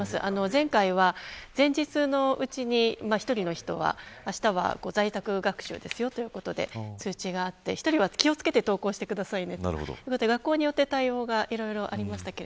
前回は前日のうちに１人の人はあしたは在宅学習ですよということで、通知があって１人は気を付けて登校してくださいと、学校によって対応がいろいろありました。